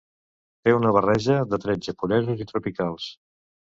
Té una barreja de trets japonesos i tropicals.